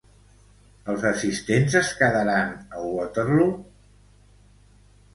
Els assistents es quedaran a Waterloo?